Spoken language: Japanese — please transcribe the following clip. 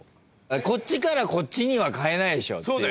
こっちからこっちには変えないでしょっていう。